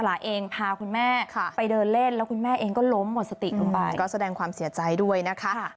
หนูได้ยินแล้วแม่ก็บอกว่าอย่าทิ้งน้องนะ